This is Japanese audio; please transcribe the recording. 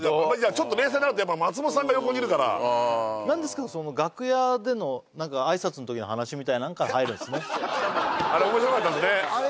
ちょっと冷静になると松本さんが横にいるから何ですか楽屋での挨拶の時の話みたいなのから入るんすねあれ面白かったですね